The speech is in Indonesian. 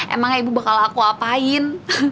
emang ibu bakal aku apain